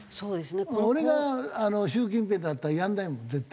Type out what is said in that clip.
俺が習近平だったらやらないもん絶対。